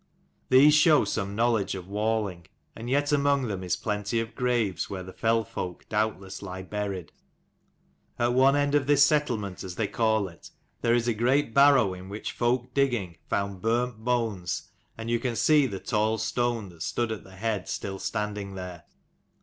These show some knowledge of walling; and yet among them is plenty of graves where the fell folk doubtless lie buried. At one end of this settlement, as they call it, there is a great barrow in which folk digging found burnt bones THE GiATNT'S GRAVK and you can see the tall stone that stood at the head still standing there.